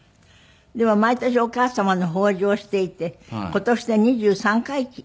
でも毎年お母様の法事をしていて今年で２３回忌。